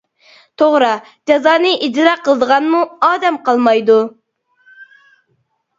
توغرا، جازانى ئىجرا قىلىدىغانمۇ ئادەم قالمايدۇ.